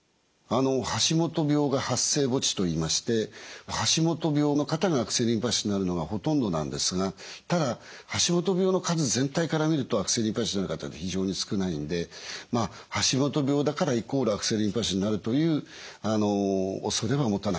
橋本病が発生母地といいまして橋本病の方が悪性リンパ腫になるのがほとんどなんですがただ橋本病の数全体から見ると悪性リンパ腫の方って非常に少ないので橋本病だからイコール悪性リンパ腫になるというおそれは持たなくてよろしいかと思います。